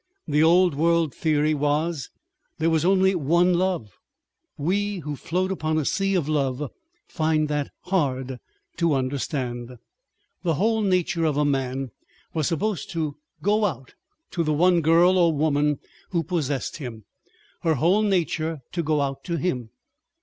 The old world theory was there was only one love—we who float upon a sea of love find that hard to understand. The whole nature of a man was supposed to go out to the one girl or woman who possessed him, her whole nature to go out to him.